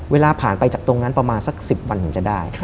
เวลาผ่านไปจากตรงนั้นประมาณสัก๑๐วันถึงจะได้